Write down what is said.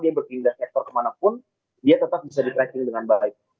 dia berpindah sektor kemanapun dia tetap bisa di tracking dengan baik